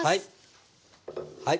はい。